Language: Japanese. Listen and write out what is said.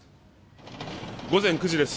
午前９時です。